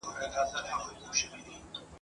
او «بې لاري» نه ده